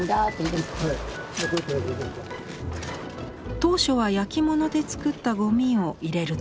当初は焼き物で作ったゴミを入れるつもりでした。